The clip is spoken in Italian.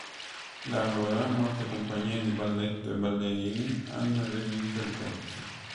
Da allora molte compagnie di balletto e ballerini hanno eseguito il pezzo.